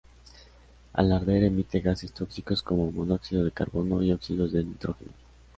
Al arder emite gases tóxicos como monóxido de carbono y óxidos de nitrógeno.